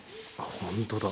本当だ。